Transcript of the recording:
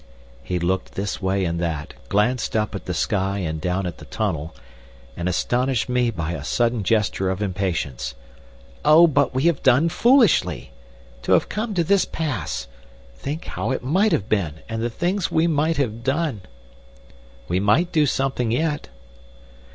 He looked this way and that, glanced up at the sky and down at the tunnel, and astonished me by a sudden gesture of impatience. "Oh! but we have done foolishly! To have come to this pass! Think how it might have been, and the things we might have done!" "We might do something yet."